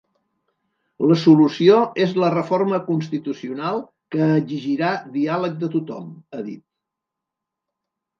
La solució és la reforma constitucional que exigirà diàleg de tothom, ha dit.